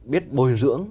biết bồi dưỡng